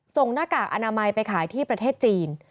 หน้ากากอนามัยไปขายที่ประเทศจีน